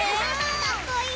かっこいい！